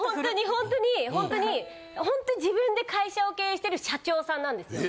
ほんとにほんとに自分で会社を経営してる社長さんなんですよ。